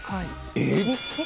えっ？